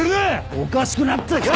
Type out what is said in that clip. おかしくなったか！